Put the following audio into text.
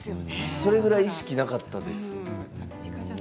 それぐらい意識がなかったです。